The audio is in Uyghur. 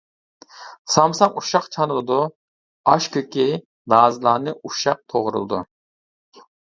سامساق ئۇششاق چانىلىدۇ، ئاش كۆكى، لازىلارنى ئۇششاق توغرىلىدۇ.